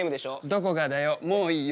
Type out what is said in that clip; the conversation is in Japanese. どこがだよもういいよ。